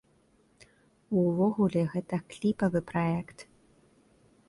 Увогуле, гэта кліпавы праект.